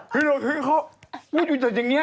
ฮิโรชิเขาพูดอยู่จนอย่างเงี้ย